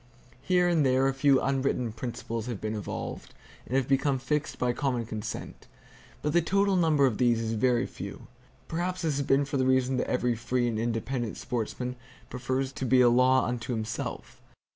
Here and there, a few unwritten principles have been evolved, and have become fixed by common consent; but the total number of these is very few. Perhaps this has been for the reason that every free and independent sportsman prefers to be a law unto himself.